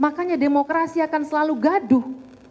makanya demokrasi akan selalu gaduh